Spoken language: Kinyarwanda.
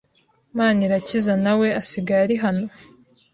Manirakiza nawe asigaye ari hano?